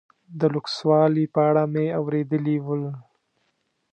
د لوکسوالي په اړه مې اورېدلي ول.